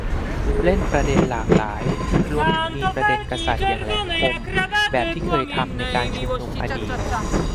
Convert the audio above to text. เล่นประเด็นหลากหลาย รวมถึงมีประเด็นกษัตริย์อย่างแหลมคม แบบที่เคยทำในการชุมนุมอดีต